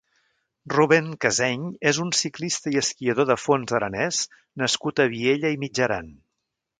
Rubén Caseny és un ciclista i esquiador de fons aranès nascut a Viella i Mitjaran.